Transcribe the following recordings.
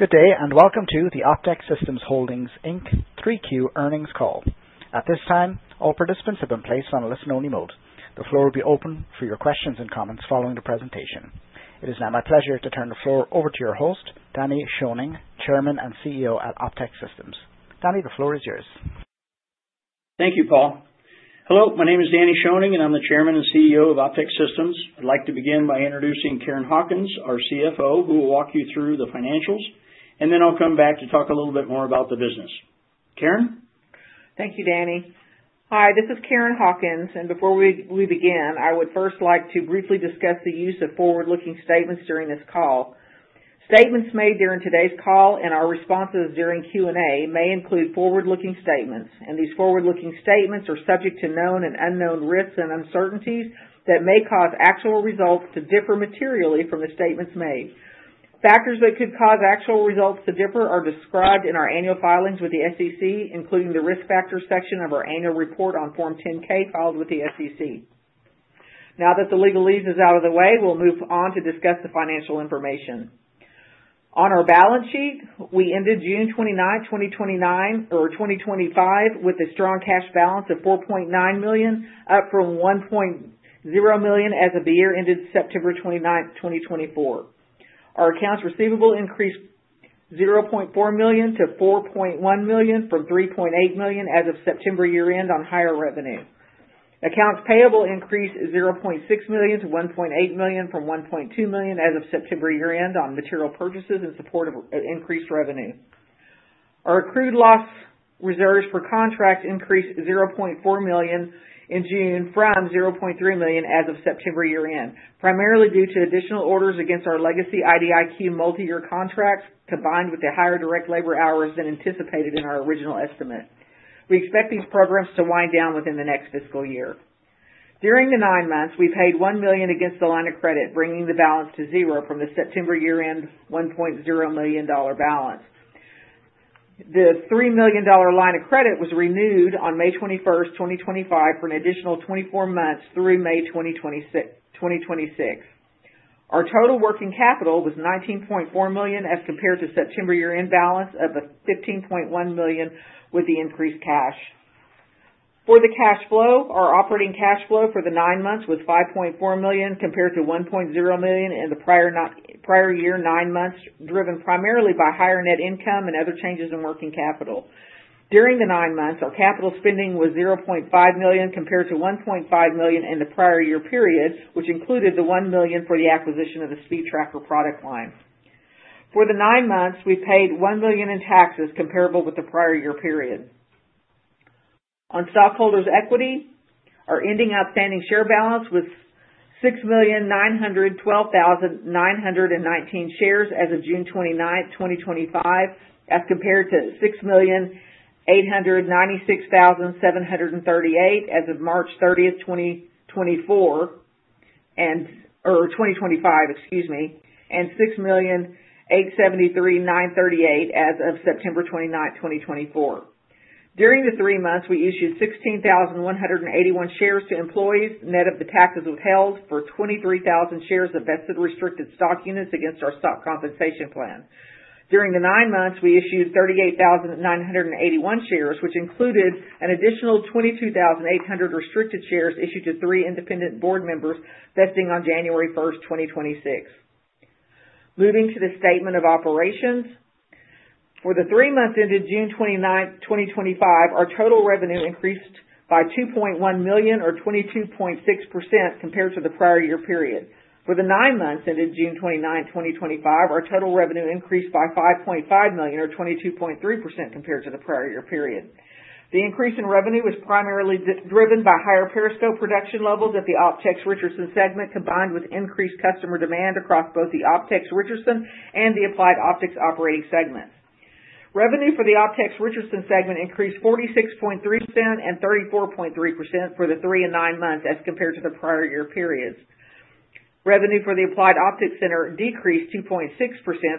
Good day and welcome to the Optex Systems Holdings Inc. 3Q Earnings Call. At this time, all participants have been placed on a listen-only mode. The floor will be open for your questions and comments following the presentation. It is now my pleasure to turn the floor over to your host, Danny Schoening, Chairman and CEO at Optex Systems. Danny, the floor is yours. Thank you, Paul. Hello, my name is Danny Schoening, and I'm the Chairman and CEO of Optex Systems. I'd like to begin by introducing Karen Hawkins, our CFO, who will walk you through the financials, and then I'll come back to talk a little bit more about the business. Karen? Thank you, Danny. Hi, this is Karen Hawkins, and before we begin, I would first like to briefly discuss the use of forward-looking statements during this call. Statements made during today's call and our responses during Q&A may include forward-looking statements, and these forward-looking statements are subject to known and unknown risks and uncertainties that may cause actual results to differ materially from the statements made. Factors that could cause actual results to differ are described in our annual filings with the SEC, including the risk factors section of our annual report on Form 10-K filed with the SEC. Now that the legalese is out of the way, we'll move on to discuss the financial information. On our balance sheet, we ended June 29, 2025, with a strong cash balance of $4.9 million, up from $1.0 million as of the year ended September 29, 2024. Our accounts receivable increased $0.4 million to $4.1 million from $3.8 million as of September year-end on higher revenue. Accounts payable increased $0.6 million to $1.8 million from $1.2 million as of September year-end on material purchases in support of increased revenue. Our accrued loss reserves for contracts increased $0.4 million in June from $0.3 million as of September year-end, primarily due to additional orders against our legacy IDIQ multi-year contracts combined with the higher direct labor hours than anticipated in our original estimate. We expect these programs to wind down within the next fiscal year. During the nine months, we paid $1 million against the line of credit, bringing the balance to zero from the September year-end $1.0 million balance. The $3 million line of credit was renewed on May 21, 2025, for an additional 24 months through May 2026. Our total working capital was $19.4 million as compared to September year-end balance of $15.1 million with the increased cash. For the cash flow, our operating cash flow for the nine months was $5.4 million compared to $1.0 million in the prior year nine months, driven primarily by higher net income and other changes in working capital. During the nine months, our capital spending was $0.5 million compared to $1.5 million in the prior year period, which included the $1 million for the acquisition of the SpeedTracker product line. For the nine months, we paid $1 million in taxes comparable with the prior year period. On stockholders' equity, our ending outstanding share balance was 6,912,919 shares as of June 29, 2025, as compared to 6,896,738 as of March 30, 2025, and 6,873,938 as of September 29, 2024. During the three months, we issued 16,181 shares to employees, net of the taxes withheld, for 23,000 shares of vested restricted stock units against our stock compensation plan. During the nine months, we issued 38,981 shares, which included an additional 22,800 restricted shares issued to three independent board members vesting on January 1, 2026. Moving to the statement of operations, for the three months ended June 29, 2025, our total revenue increased by $2.1 million or 22.6% compared to the prior year period. For the nine months ended June 29, 2025, our total revenue increased by $5.5 million or 22.3% compared to the prior year period. The increase in revenue was primarily driven by higher periscope production levels at the Optex Richardson segment, combined with increased customer demand across both the Optex Richardson and the Applied Optics operating segment. Revenue for the Optex Richardson segment increased 46.3% and 34.3% for the three and nine months as compared to the prior year periods. Revenue for the Applied Optics Center decreased 2.6%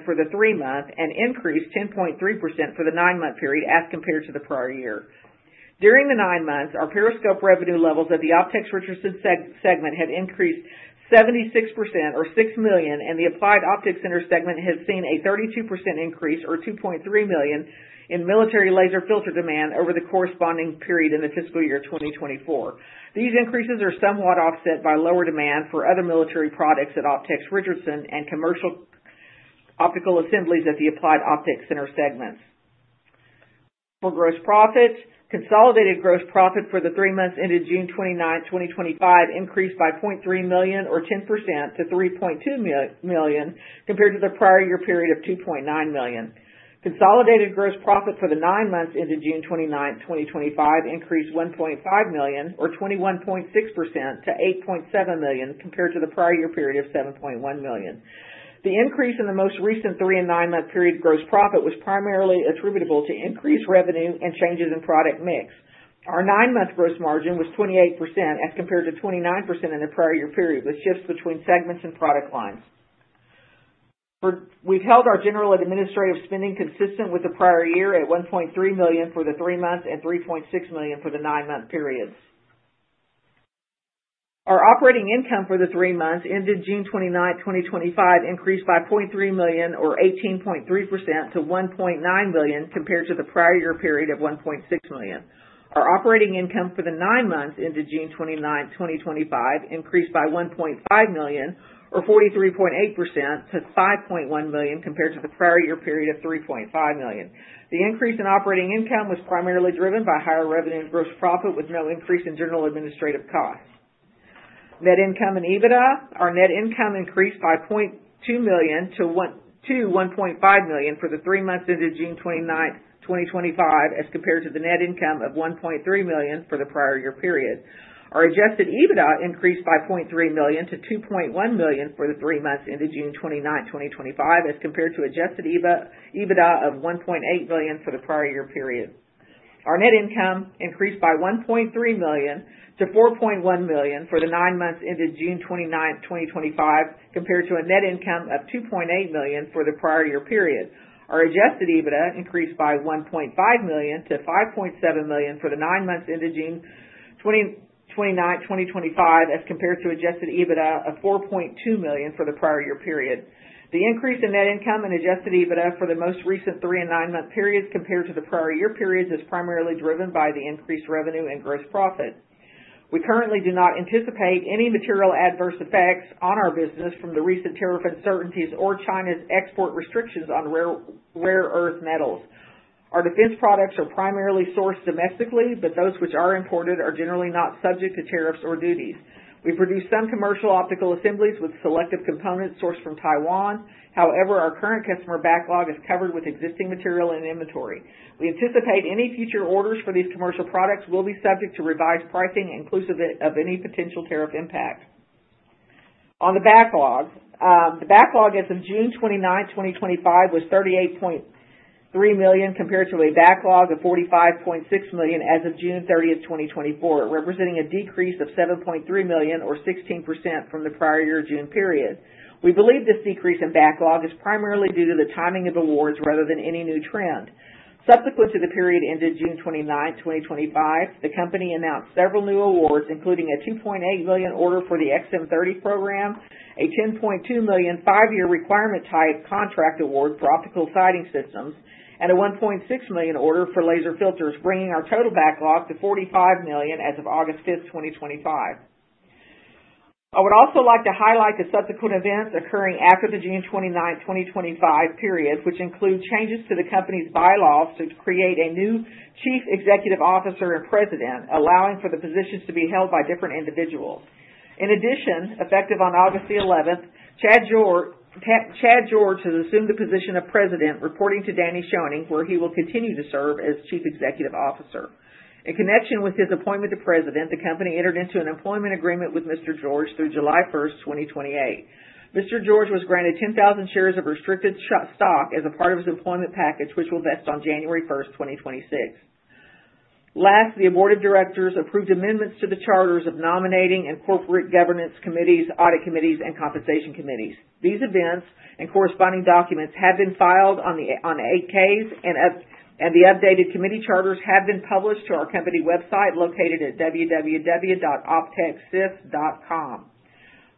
for the three months and increased 10.3% for the nine-month period as compared to the prior year. During the nine months, our periscope revenue levels at the Optex Richardson segment had increased 76% or $6 million, and the Applied Optics Center segment had seen a 32% increase or $2.3 million in military laser filter demand over the corresponding period in the fiscal year 2024. These increases are somewhat offset by lower demand for other military products at Optex Richardson and commercial optical assemblies at the Applied Optics Center segments. For gross profits, consolidated gross profit for the three months ended June 29, 2025, increased by $0.3 million or 10% to $3.2 million compared to the prior year period of $2.9 million. Consolidated gross profit for the nine months ended June 29, 2025, increased $1.5 million or 21.6% to $8.7 million compared to the prior year period of $7.1 million. The increase in the most recent three and nine-month period gross profit was primarily attributable to increased revenue and changes in product mix. Our nine-month gross margin was 28% as compared to 29% in the prior year period with shifts between segments and product lines. We've held our general administrative spending consistent with the prior year at $1.3 million for the three months and $3.6 million for the nine-month periods. Our operating income for the three months ended June 29, 2025, increased by $0.3 million or 18.3% to $1.9 million compared to the prior year period of $1.6 million. Our operating income for the nine months ended June 29, 2025, increased by $1.5 million or 43.8% to $5.1 million compared to the prior year period of $3.5 million. The increase in operating income was primarily driven by higher revenue and gross profit with no increase in general administrative costs. Net income and EBITDA. Our net income increased by $0.2 million to $1.5 million for the three months ended June 29, 2025, as compared to the net income of $1.3 million for the prior year period. Our adjusted EBITDA increased by $0.3 million to $2.1 million for the three months ended June 29, 2025, as compared to adjusted EBITDA of $1.8 million for the prior year period. Our net income increased by $1.3 million to $4.1 million for the nine months ended June 29, 2025, compared to a net income of $2.8 million for the prior year period. Our Adjusted EBITDA increased by $1.5 million to $5.7 million for the nine months ended June 29, 2025, as compared to Adjusted EBITDA of $4.2 million for the prior year period. The increase in net income and Adjusted EBITDA for the most recent three and nine-month periods compared to the prior year periods is primarily driven by the increased revenue and gross profit. We currently do not anticipate any material adverse effects on our business from the recent tariff uncertainties or China's export restrictions on rare earth metals. Our defense products are primarily sourced domestically, but those which are imported are generally not subject to tariffs or duties. We produce some commercial optical assemblies with selective components sourced from Taiwan. However, our current customer backlog is covered with existing material and inventory. We anticipate any future orders for these commercial products will be subject to revised pricing inclusive of any potential tariff impact. On the backlog, the backlog as of June 29, 2025, was $38.3 million compared to a backlog of $45.6 million as of June 30, 2024, representing a decrease of $7.3 million or 16% from the prior year June period. We believe this decrease in backlog is primarily due to the timing of awards rather than any new trend. Subsequent to the period ended June 29, 2025, the company announced several new awards, including a $2.8 million order for the XM30 program, a $10.2 million five-year requirement type contract award for optical sighting systems, and a $1.6 million order for laser filters, bringing our total backlog to $45 million as of August 5, 2025. I would also like to highlight the subsequent events occurring after the June 29, 2025 period, which include changes to the company's bylaws to create a new Chief Executive Officer and President, allowing for the positions to be held by different individuals. In addition, effective on August 11th, Chad George has assumed the position of President, reporting to Danny Schoening, where he will continue to serve as Chief Executive Officer. In connection with his appointment to President, the company entered into an employment agreement with Mr. George through July 1, 2028. Mr. George was granted 10,000 shares of restricted stock as a part of his employment package, which will vest on January 1, 2026. Last, the Board of Directors approved amendments to the charters of Nominating and Corporate Governance Committees, Audit Committees, and Compensation Committees. These events and corresponding documents have been filed on 8-Ks, and the updated committee charters have been published to our company website located at www.optexsys.com.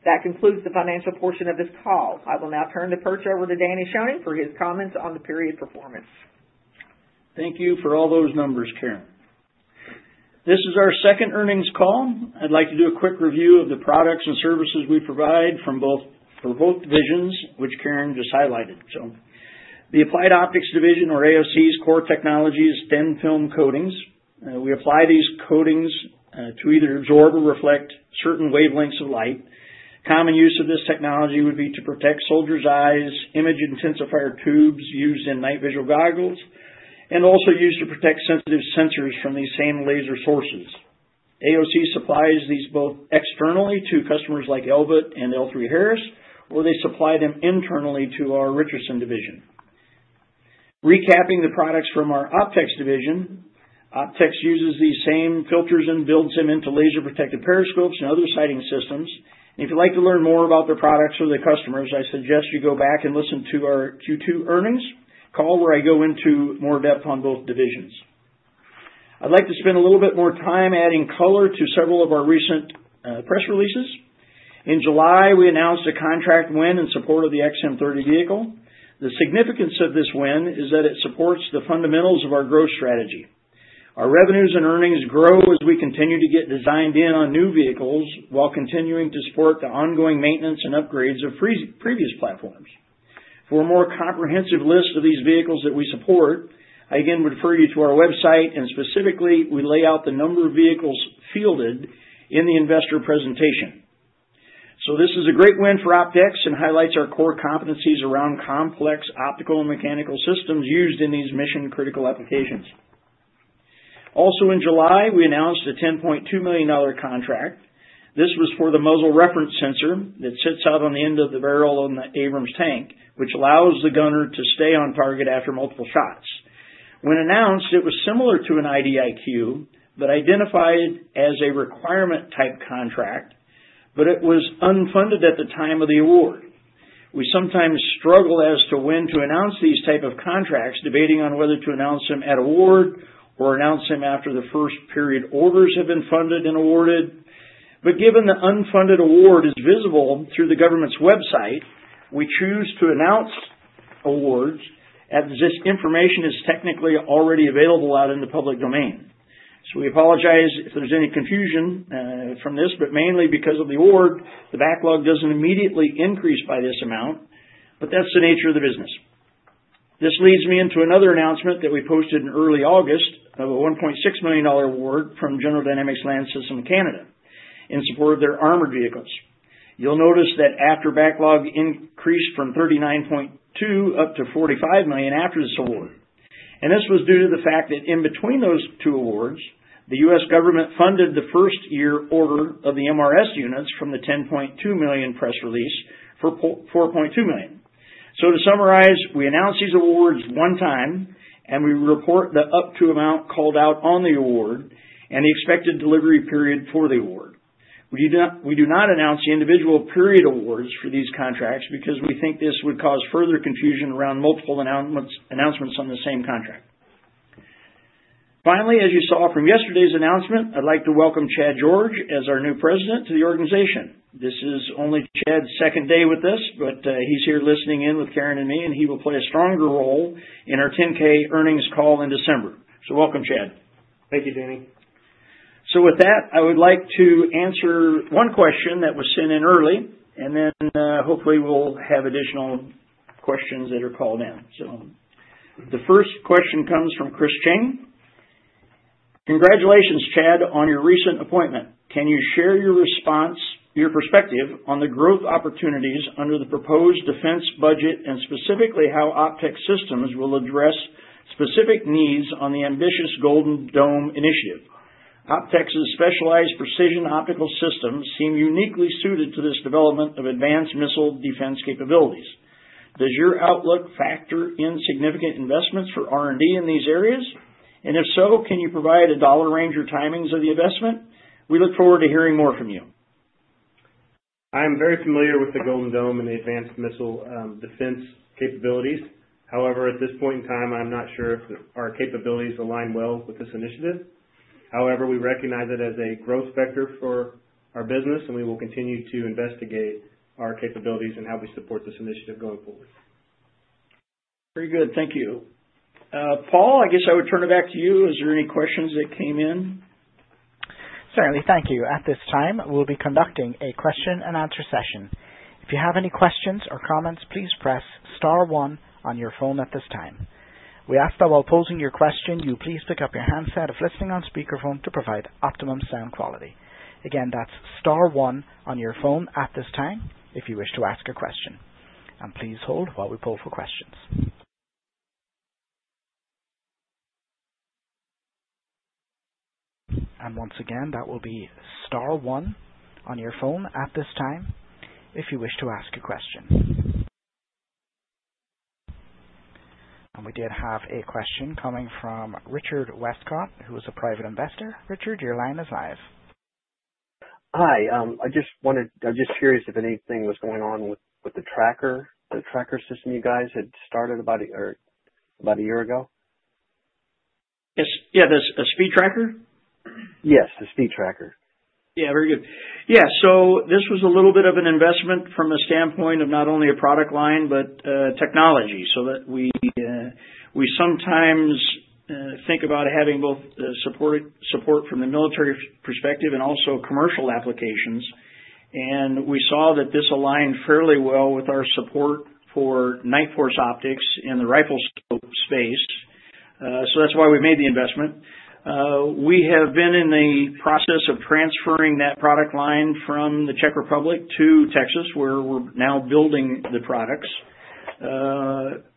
That concludes the financial portion of this call. I will now turn the call over to Danny Schoening for his comments on the period's performance. Thank you for all those numbers, Karen. This is our second earnings call. I'd like to do a quick review of the products and services we provide for both divisions, which Karen just highlighted. So the Applied Optics Center, or AOC's core technologies, thin-film coatings. We apply these coatings to either absorb or reflect certain wavelengths of light. Common use of this technology would be to protect soldiers' eyes, image-intensifier tubes used in night vision goggles, and also used to protect sensitive sensors from these same laser sources. AOC supplies these both externally to customers like Elbit and L3Harris, or they supply them internally to our Richardson Division. Recapping the products from our Optex Division, Optex uses these same filters and builds them into laser-protected periscopes and other sighting systems. And if you'd like to learn more about their products or their customers, I suggest you go back and listen to our Q2 Earnings Call where I go into more depth on both divisions. I'd like to spend a little bit more time adding color to several of our recent press releases. In July, we announced a contract win in support of the XM30 vehicle. The significance of this win is that it supports the fundamentals of our growth strategy. Our revenues and earnings grow as we continue to get designed in on new vehicles while continuing to support the ongoing maintenance and upgrades of previous platforms. For a more comprehensive list of these vehicles that we support, I again would refer you to our website, and specifically, we lay out the number of vehicles fielded in the investor presentation. This is a great win for Optex and highlights our core competencies around complex optical and mechanical systems used in these mission-critical applications. Also, in July, we announced a $10.2 million contract. This was for the muzzle reference sensor that sits out on the end of the barrel on the Abrams tank, which allows the gunner to stay on target after multiple shots. When announced, it was similar to an IDIQ but identified as a requirement type contract, but it was unfunded at the time of the award. We sometimes struggle as to when to announce these types of contracts, debating on whether to announce them at award or announce them after the first period orders have been funded and awarded. But given the unfunded award is visible through the government's website, we choose to announce awards as this information is technically already available out in the public domain. We apologize if there's any confusion from this, but mainly because of the award, the backlog doesn't immediately increase by this amount, but that's the nature of the business. This leads me into another announcement that we posted in early August of a $1.6 million award from General Dynamics Land Systems-Canada in support of their armored vehicles. You'll notice that after backlog increased from $39.2 million up to $45 million after this award. And this was due to the fact that in between those two awards, the U.S. government funded the first year order of the MRS units from the $10.2 million press release for $4.2 million. So to summarize, we announce these awards one time, and we report the up-to amount called out on the award and the expected delivery period for the award. We do not announce the individual period awards for these contracts because we think this would cause further confusion around multiple announcements on the same contract. Finally, as you saw from yesterday's announcement, I'd like to welcome Chad George as our new President to the organization. This is only Chad's second day with us, but he's here listening in with Karen and me, and he will play a stronger role in our 10-K earnings call in December. So welcome, Chad. Thank you, Danny. So with that, I would like to answer one question that was sent in early, and then hopefully we'll have additional questions that are called in. So the first question comes from Chris Chang. Congratulations, Chad, on your recent appointment. Can you share your response, your perspective on the growth opportunities under the proposed defense budget and specifically how Optex Systems will address specific needs on the ambitious Golden Dome Initiative? Optex's specialized precision optical systems seem uniquely suited to this development of advanced missile defense capabilities. Does your outlook factor in significant investments for R&D in these areas? And if so, can you provide a dollar range or timings of the investment? We look forward to hearing more from you. I am very familiar with the Golden Dome and the advanced missile defense capabilities. However, at this point in time, I'm not sure if our capabilities align well with this initiative. However, we recognize it as a growth vector for our business, and we will continue to investigate our capabilities and how we support this initiative going forward. Very good. Thank you. Paul, I guess I would turn it back to you. Is there any questions that came in? Certainly. Thank you. At this time, we'll be conducting a question-and-answer session. If you have any questions or comments, please press Star 1 on your phone at this time. We ask that while posing your question, you please pick up your handset if listening on speakerphone to provide optimum sound quality. Again, that's Star 1 on your phone at this time if you wish to ask a question. And please hold while we poll for questions. And once again, that will be Star 1 on your phone at this time if you wish to ask a question. And we did have a question coming from Richard Westcott, who is a private investor. Richard, your line is live. Hi. I'm just curious if anything was going on with the tracker, the tracker system you guys had started about a year ago. Yes. Yeah. The SpeedTracker? Yes. The SpeedTracker. Yeah. Very good. Yeah. So this was a little bit of an investment from the standpoint of not only a product line but technology. So we sometimes think about having both support from the military perspective and also commercial applications. And we saw that this aligned fairly well with our support for Nightforce Optics in the rifle scope space. So that's why we made the investment. We have been in the process of transferring that product line from the Czech Republic to Texas, where we're now building the products.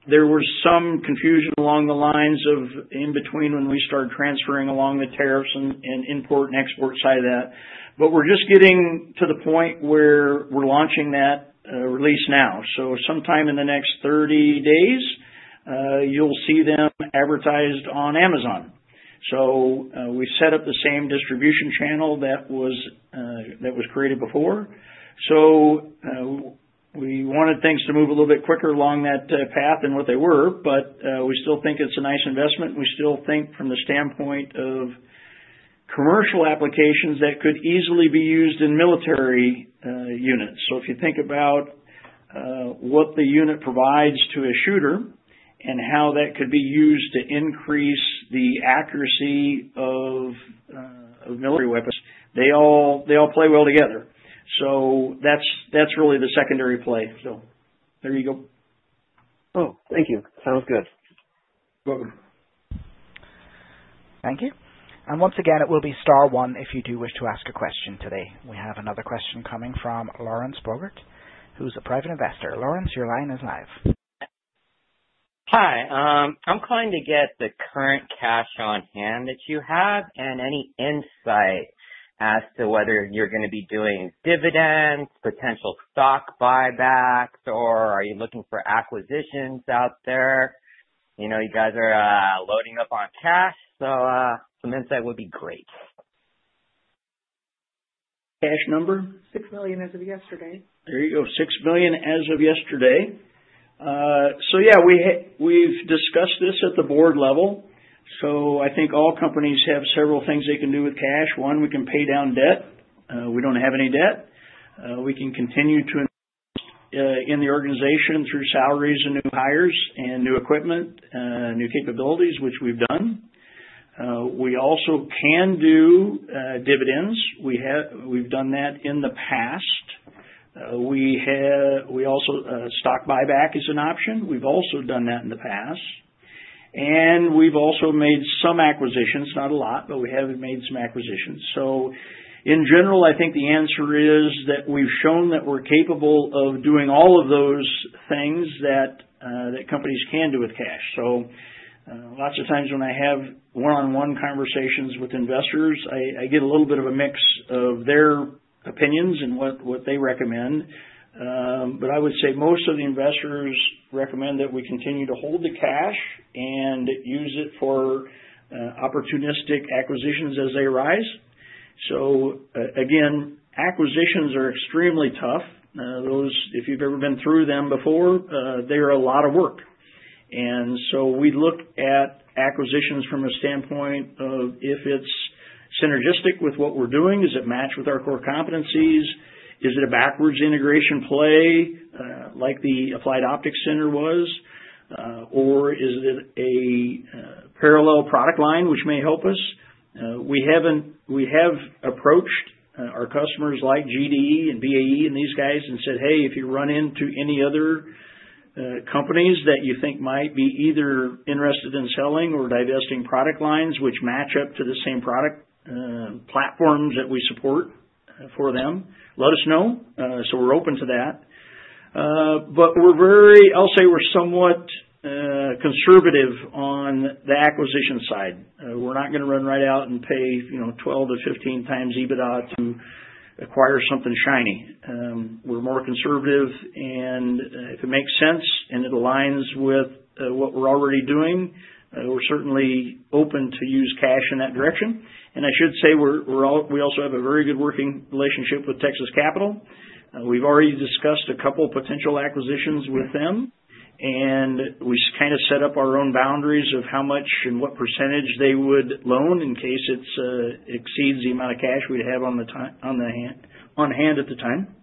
There was some confusion along the lines of in between when we started transferring along the tariffs and import and export side of that. But we're just getting to the point where we're launching that release now. So sometime in the next 30 days, you'll see them advertised on Amazon. So we set up the same distribution channel that was created before. So we wanted things to move a little bit quicker along that path than what they were, but we still think it's a nice investment. We still think from the standpoint of commercial applications that could easily be used in military units. So if you think about what the unit provides to a shooter and how that could be used to increase the accuracy of military weapons, they all play well together. So that's really the secondary play. So there you go. Oh, thank you. Sounds good. You're welcome. Thank you. And once again, it will be Star 1 if you do wish to ask a question today. We have another question coming from Lawrence Bogart, who's a private investor. Lawrence, your line is live. Hi. I'm calling to get the current cash on hand that you have and any insight as to whether you're going to be doing dividends, potential stock buybacks, or are you looking for acquisitions out there? You guys are loading up on cash, so some insight would be great. Cash number? $6 million as of yesterday. There you go. $6 million as of yesterday. So yeah, we've discussed this at the board level. So I think all companies have several things they can do with cash. One, we can pay down debt. We don't have any debt. We can continue to invest in the organization through salaries and new hires and new equipment, new capabilities, which we've done. We also can do dividends. We've done that in the past. Stock buyback is an option. We've also done that in the past. And we've also made some acquisitions, not a lot, but we have made some acquisitions. So in general, I think the answer is that we've shown that we're capable of doing all of those things that companies can do with cash. So lots of times when I have one-on-one conversations with investors, I get a little bit of a mix of their opinions and what they recommend. But I would say most of the investors recommend that we continue to hold the cash and use it for opportunistic acquisitions as they arise. So again, acquisitions are extremely tough. If you've ever been through them before, they are a lot of work. And so we look at acquisitions from a standpoint of if it's synergistic with what we're doing. Does it match with our core competencies? Is it a backwards integration play like the Applied Optics Center was? Or is it a parallel product line, which may help us? We have approached our customers like GDE and BAE and these guys and said, "Hey, if you run into any other companies that you think might be either interested in selling or divesting product lines which match up to the same product platforms that we support for them, let us know." So we're open to that. But I'll say we're somewhat conservative on the acquisition side. We're not going to run right out and pay 12 to 15 times EBITDA to acquire something shiny. We're more conservative, and if it makes sense and it aligns with what we're already doing, we're certainly open to use cash in that direction. And I should say we also have a very good working relationship with Texas Capital Bank. We've already discussed a couple of potential acquisitions with them, and we kind of set up our own boundaries of how much and what percentage they would loan in case it exceeds the amount of cash we'd have on hand at the time.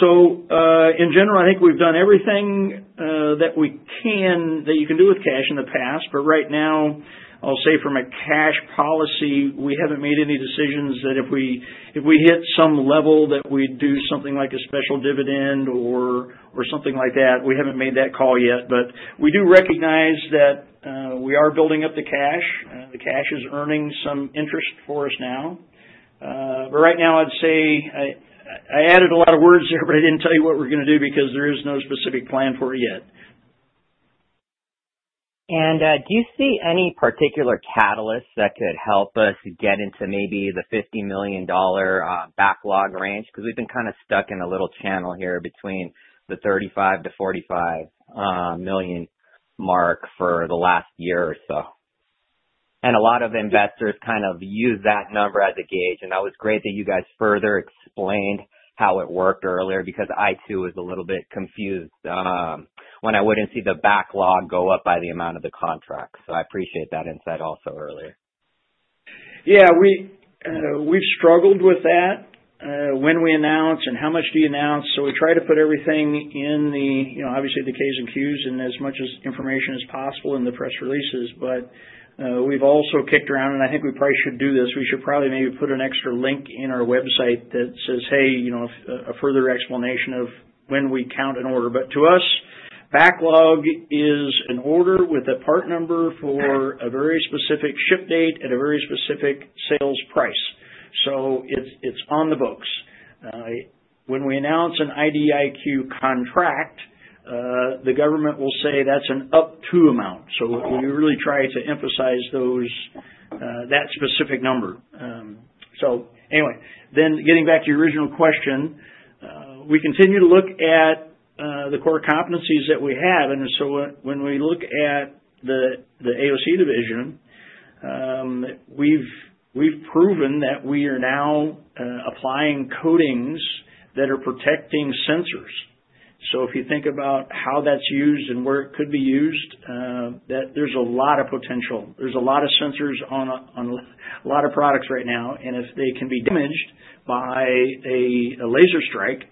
So in general, I think we've done everything that you can do with cash in the past. But right now, I'll say from a cash policy, we haven't made any decisions that if we hit some level that we'd do something like a special dividend or something like that. We haven't made that call yet, but we do recognize that we are building up the cash. The cash is earning some interest for us now. But right now, I'd say I added a lot of words there, but I didn't tell you what we're going to do because there is no specific plan for it yet. And do you see any particular catalysts that could help us get into maybe the $50 million backlog range? Because we've been kind of stuck in a little channel here between the $35-$45 million mark for the last year or so. And a lot of investors kind of use that number as a gauge. And that was great that you guys further explained how it worked earlier because I, too, was a little bit confused when I wouldn't see the backlog go up by the amount of the contracts. So I appreciate that insight also earlier. Yeah. We've struggled with that when we announce and how much do you announce. So we try to put everything in the, obviously, the Ks and Qs and as much information as possible in the press releases. But we've also kicked around, and I think we probably should do this. We should probably maybe put an extra link in our website that says, "Hey, a further explanation of when we count an order." But to us, backlog is an order with a part number for a very specific ship date at a very specific sales price. So it's on the books. When we announce an IDIQ contract, the government will say that's an up to amount. So we really try to emphasize that specific number. So anyway, then getting back to your original question, we continue to look at the core competencies that we have. And so when we look at the AOC division, we've proven that we are now applying coatings that are protecting sensors. So if you think about how that's used and where it could be used, there's a lot of potential. There's a lot of sensors on a lot of products right now. And if they can be damaged by a laser strike,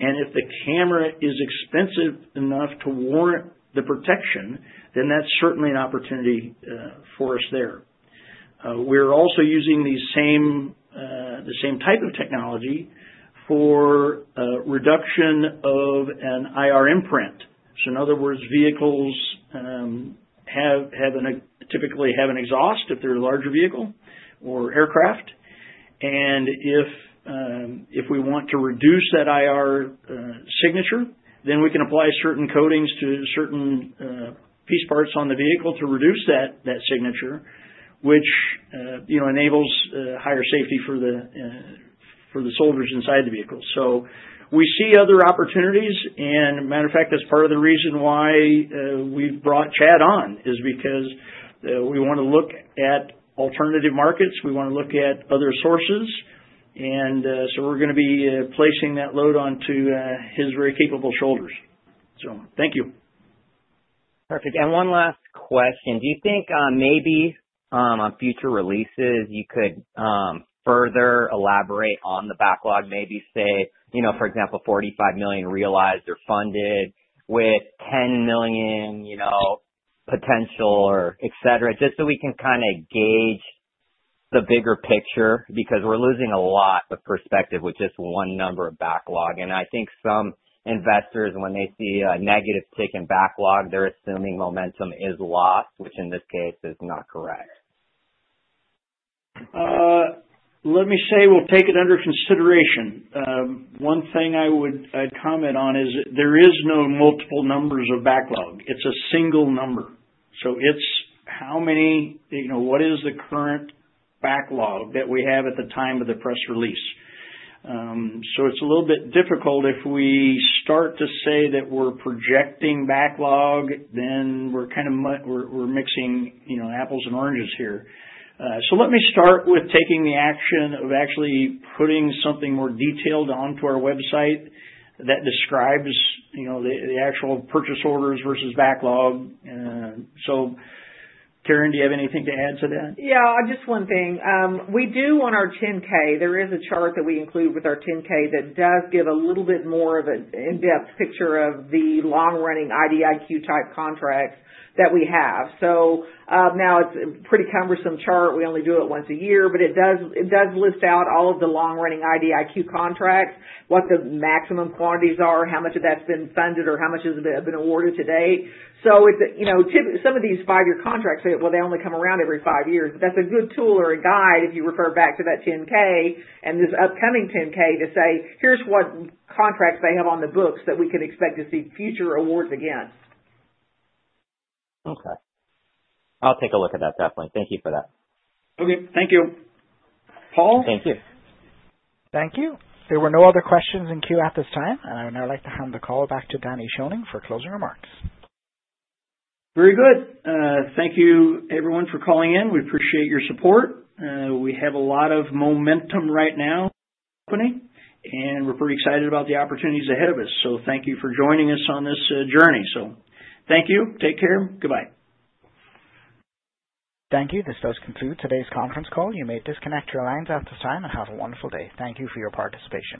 and if the camera is expensive enough to warrant the protection, then that's certainly an opportunity for us there. We're also using the same type of technology for reduction of an IR imprint. So in other words, vehicles typically have an exhaust if they're a larger vehicle or aircraft. And if we want to reduce that IR signature, then we can apply certain coatings to certain piece parts on the vehicle to reduce that signature, which enables higher safety for the soldiers inside the vehicle. So we see other opportunities. And as a matter of fact, that's part of the reason why we've brought Chad on is because we want to look at alternative markets. We want to look at other sources. And so we're going to be placing that load onto his very capable shoulders. So thank you. Perfect. And one last question. Do you think maybe on future releases, you could further elaborate on the backlog? Maybe say, for example, $45 million realized or funded with $10 million potential, etc., just so we can kind of gauge the bigger picture because we're losing a lot of perspective with just one number of backlog. And I think some investors, when they see a negative tick in backlog, they're assuming momentum is lost, which in this case is not correct. Let me say we'll take it under consideration. One thing I would comment on is there is no multiple numbers of backlog. It's a single number. So it's how many—what is the current backlog that we have at the time of the press release? So it's a little bit difficult if we start to say that we're projecting backlog, then we're kind of mixing apples and oranges here. So let me start with taking the action of actually putting something more detailed onto our website that describes the actual purchase orders versus backlog. So Karen, do you have anything to add to that? Yeah. Just one thing. We do, on our 10-K, there is a chart that we include with our 10-K that does give a little bit more of an in-depth picture of the long-running IDIQ type contracts that we have. So now it's a pretty cumbersome chart. We only do it once a year, but it does list out all of the long-running IDIQ contracts, what the maximum quantities are, how much of that's been funded, or how much has been awarded to date. So some of these five-year contracts, well, they only come around every five years. But that's a good tool or a guide if you refer back to that 10-K and this upcoming 10-K to say, "Here's what contracts they have on the books that we can expect to see future awards against. Okay. I'll take a look at that, definitely. Thank you for that. Okay. Thank you. Paul? Thank you. Thank you. There were no other questions in queue at this time, and I would now like to hand the call back to Danny Schoening for closing remarks. Very good. Thank you, everyone, for calling in. We appreciate your support. We have a lot of momentum right now, and we're pretty excited about the opportunities ahead of us. So thank you for joining us on this journey. So thank you. Take care. Goodbye. Thank you. This does conclude today's conference call. You may disconnect your lines at this time and have a wonderful day. Thank you for your participation.